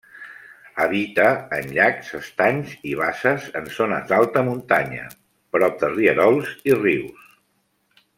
Habita en llacs, estanys i basses en zones d'alta muntanya, prop de rierols i rius.